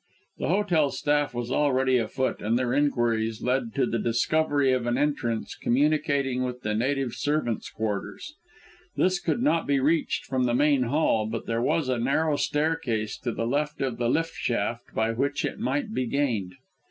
The hotel staff was already afoot, and their inquiries led to the discovery of an entrance communicating with the native servants' quarters. This could not be reached from the main hall, but there was a narrow staircase to the left of the lift shaft by which it might be gained.